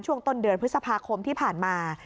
ช่วงต้นเดือนพฤษภาคมที่ผ่านมา